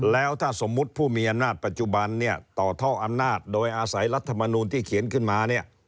แล้วถ้าสมมุติผู้มีอำนาจปัจจุบันเนี่ยต่อท่ออำนาจโดยอาศัยรัฐมนูลที่เขียนขึ้นมาเนี่ย